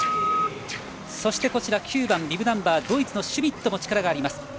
そして９番ドイツのシュミットも力もあります。